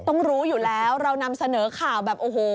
ต้องรู้อยู่แล้วเรานำเสนอข่าวแบบโอ้โห